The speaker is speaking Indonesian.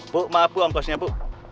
bu maaf bu ampasnya bu